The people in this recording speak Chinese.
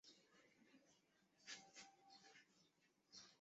萨克马尔。